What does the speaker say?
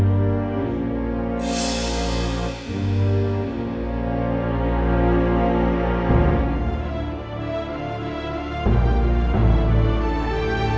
maaf aku gak sengaja